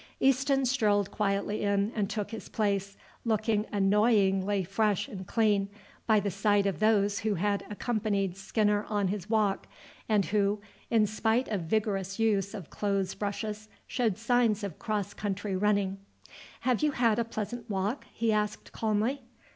Easton strolled quietly in and took his place, looking annoyingly fresh and clean by the side of those who had accompanied Skinner on his walk, and who, in spite of vigorous use of clothes brushes, showed signs of cross country running. "Have you had a pleasant walk?" he asked calmly.